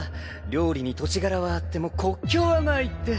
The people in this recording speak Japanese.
料理に土地柄はあっても国境はないって。